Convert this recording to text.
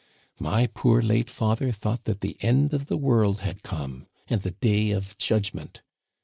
My poor, late father thought that the end of the world had come, and the Day of Judgment.